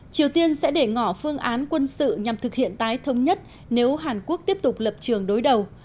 triều tiên sẽ để ngỏ phương án quân sự nhằm thực hiện tái thống nhất nếu hàn quốc tiếp tục lập trường đối đầu